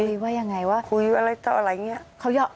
ว่ายังไงว่าคุยอะไรต่ออะไรอย่างนี้